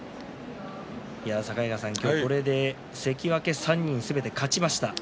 境川さん、これで関脇３人すべて勝ちました。